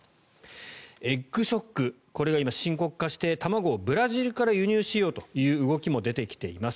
エッグショックこれが今、深刻化して卵をブラジルから輸入しようという動きも出てきています。